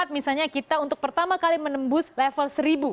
misalnya kita untuk pertama kali menembus level seribu